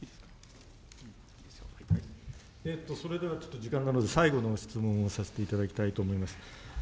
それではちょっと時間なので、最後の質問をさせていただきたいと思います。